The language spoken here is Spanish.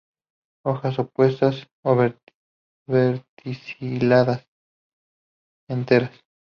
Hojas opuestas o verticiladas, enteras.